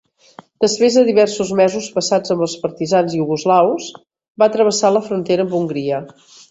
Després de diversos mesos passats amb els partisans iugoslaus, va travessar la frontera amb Hongria.